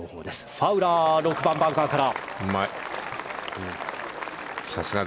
ファウラー６番、バンカーから。